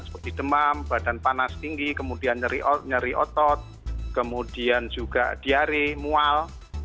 seperti demam badan panas tinggi kemudian nyeri otot kemudian juga diare mual